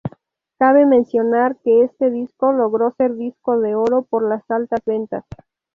Cabe mencionar que este disco logró ser disco de Oro por las altas ventas.